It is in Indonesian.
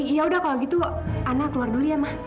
ya udah kalau gitu ana keluar dulu ya ma